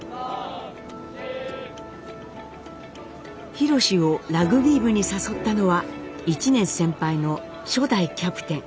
ひろしをラグビー部に誘ったのは１年先輩の初代キャプテン。